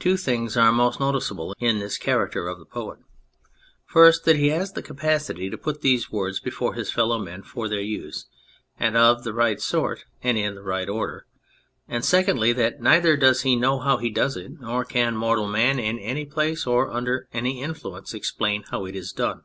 Two things are most noticeable in this character of the poet : first, that he has the capacity to put these words before his fellow men for their use, and of the right sort and in the right order ; and secondly, that neither does he know how he does it nor can mortal man in any place or under any influence explain how it is done.